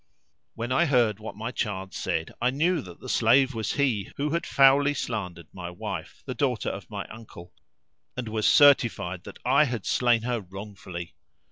When I heard what my child said I knew that the slave was he who had foully slandered my wife, the daughter of my uncle, and was certified that I had slain her wrong. fully.